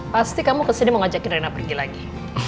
pasti kamu kesini mau ngajakin rena pergi lagi